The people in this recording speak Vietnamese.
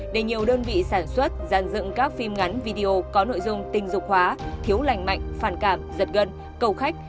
để nhiều đơn vị sản xuất dàn dựng các phim ngắn video có nội dung tình dục hóa thiếu lành mạnh phản cảm giật gân cầu khách